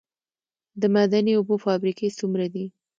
د معدني اوبو فابریکې څومره دي؟